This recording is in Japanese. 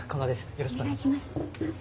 よろしくお願いします。